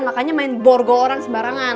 makanya main borgol orang sembarangan